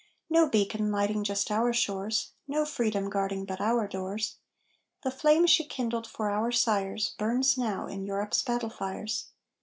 No beacon lighting just our shores! No Freedom guarding but our doors! The flame she kindled for our sires Burns now in Europe's battle fires!